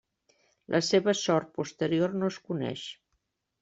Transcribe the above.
La seva sort posterior no es coneix.